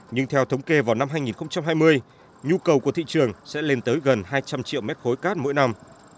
nhưng theo thống kê vào năm hai nghìn hai mươi nhu cầu của thị trường sẽ lên tới gần hai trăm linh triệu mét khối cát mỗi năm